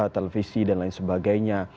televisi dan lain sebagainya